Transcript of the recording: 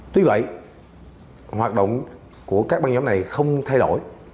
tuy vậy hoạt động của các băng nhóm này không thay đổi